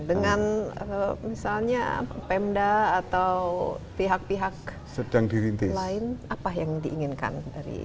dengan misalnya pemda atau pihak pihak lain apa yang diinginkan dari